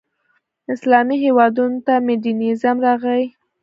اسلامي هېوادونو ته مډرنیزم راغی.